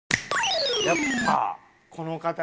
やっぱこの方が。